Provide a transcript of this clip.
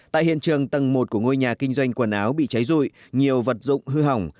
tại hiện trường tầng một của ngôi nhà kinh doanh quần áo bị cháy rụi nhiều vật dụng hư hỏng